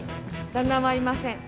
旦那はいません。